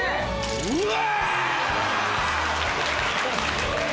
うわ‼